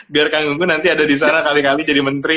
biar kak gunggun nanti ada disana kali kali jadi menteri